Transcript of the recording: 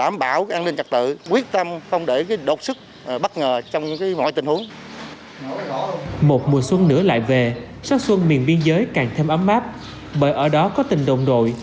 một mùa xuân nữa lại về sắc xuân miền biên giới càng thêm ấm áp bởi ở đó có tình đồng đội